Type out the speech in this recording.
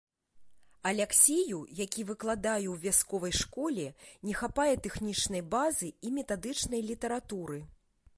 Аляксею, які выкладае ў вясковай школе, не хапае тэхнічнай базы і метадычнай літаратуры.